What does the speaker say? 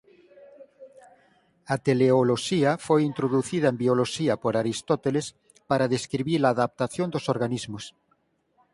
A teleoloxía foi introducida en bioloxía por Aristóteles para describir a adaptación dos organismos.